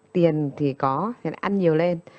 tiền thì có thì ăn nhiều lên